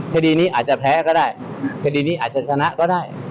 คดีนี้อาจจะแพ้ก็ได้คดีนี้อาจจะชนะก็ได้